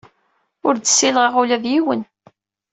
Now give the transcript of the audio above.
Ur d-ssiliɣeɣ ula d yiwen.